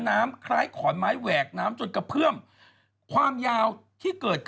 ประบาระอะไร๓๐เมตร